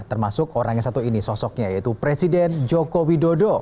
termasuk orang yang satu ini sosoknya yaitu presiden joko widodo